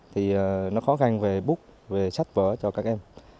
thì nó khó khăn về bút về sách vở cho các em